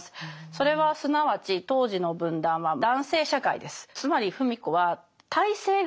それはすなわち当時の文壇は男性社会です。